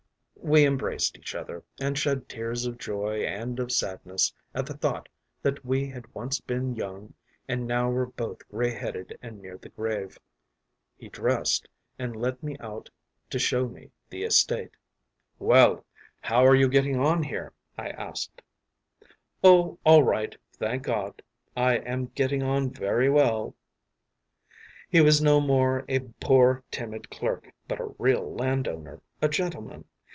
“We embraced each other, and shed tears of joy and of sadness at the thought that we had once been young and now were both grey headed and near the grave. He dressed, and led me out to show me the estate. “‘Well, how are you getting on here?’ I asked. “‘Oh, all right, thank God; I am getting on very well.’ “He was no more a poor timid clerk, but a real landowner, a gentleman.